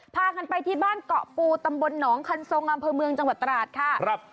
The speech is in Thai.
พากันไปที่บ้านเกาะปูตำบลหนองคันทรงอำเภอเมืองจังหวัดตราดค่ะ